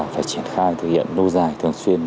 phải triển khai thực hiện lâu dài thường xuyên